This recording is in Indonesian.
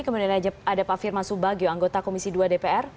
kemudian ada pak firman subagio anggota komisi dua dpr